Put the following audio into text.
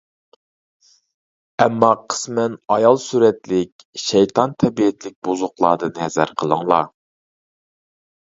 ئەمما قىسمەن ئايال سۈرەتلىك شەيتان تەبىئەتلىك بۇزۇقلاردىن ھەزەر قىلىڭلار.